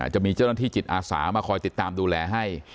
จะมีเจ้าหน้าที่จิตอาสามาคอยติดตามดูแลให้